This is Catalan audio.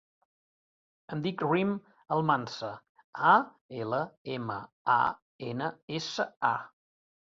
Em dic Rym Almansa: a, ela, ema, a, ena, essa, a.